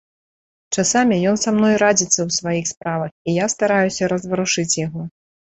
Часамі ён са мной радзіцца ў сваіх справах, і я стараюся разварушыць яго.